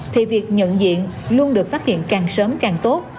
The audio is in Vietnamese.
thì việc nhận diện luôn được phát hiện càng sớm càng tốt